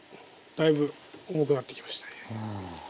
だいぶ重くなってきましたね。